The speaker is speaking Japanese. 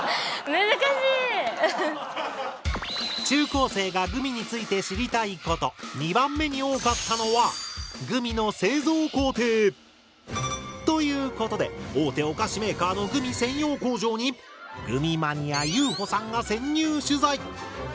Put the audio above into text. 中高生がグミについて知りたいこと２番目に多かったのは「グミの製造工程」！ということで大手お菓子メーカーのグミ専用工場にグミマニアゆうほさんが潜入取材！